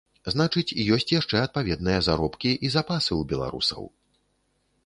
Значыць, ёсць яшчэ адпаведныя заробкі і запасы ў беларусаў.